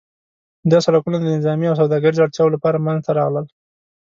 دا سړکونه د نظامي او سوداګریز اړتیاوو لپاره منځته راغلل.